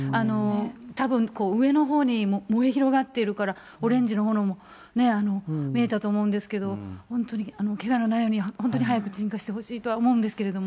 たぶん上のほうに燃え広がっているから、オレンジの炎も見えたと思うんですけど、本当に、けがのないように、本当に早く鎮火してほしいとは思うんですけれども。